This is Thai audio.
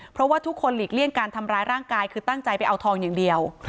เพราะว่าทุกคนหลีกเลี่ยงการทำร้ายร่างกายคือตั้งใจไปเอาทองอย่างเดียว